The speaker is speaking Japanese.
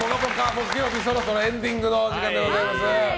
木曜日そろそろエンディングの時間でございます。